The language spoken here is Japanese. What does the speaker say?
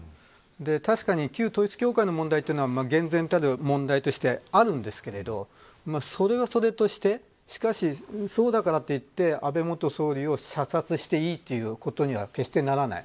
確かに旧統一教会の問題は厳然たる問題としてあるんですけどそれは、それとしてしかし、そうだからといって安倍元総理を射殺していいということには決してならない。